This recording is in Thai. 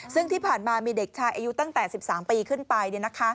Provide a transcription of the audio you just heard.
ซึ่งที่ผ่านมามีเด็กชายอายุตั้งแต่๑๓ปีขึ้นไป